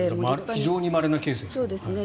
非常にまれなケースですね。